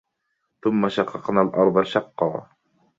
ثم شققنا الأرض شقا